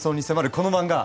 この漫画。